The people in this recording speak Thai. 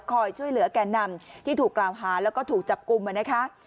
คอยช่วยเหลือแก่นำที่ถูกกล่าวหาแล้วก็ถูกจับกลุ่มมานะคะ